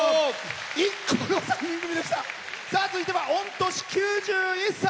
続いては御年９１歳。